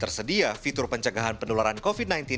tersedia fitur pencegahan penularan covid sembilan belas